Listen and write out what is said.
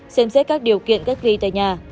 xem xét các điều kiện cách ly tại nhà